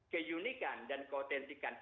keunikan dan keotentikan